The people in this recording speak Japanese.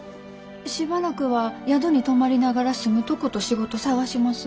しばらくは宿に泊まりながら住むとこと仕事探します。